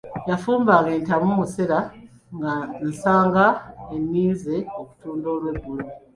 Yafumbanga entamu musera nga nsanga enninze okutunda olweggulo.